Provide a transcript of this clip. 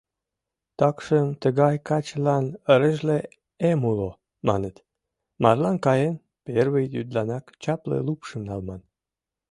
Такшым тыгай качылан рыжле эм уло, маныт: марлан каен, первый йӱдланак чапле лупшым налман.